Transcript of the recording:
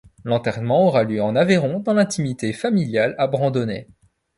L'enterrement aura lieu en Aveyron dans l'intimité familiale à Brandonnet.